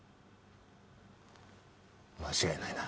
間違いないな。